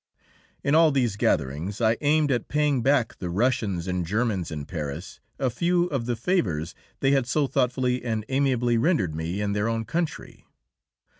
In all these gatherings I aimed at paying back the Russians and Germans in Paris a few of the favours they had so thoughtfully and amiably rendered me in their own country.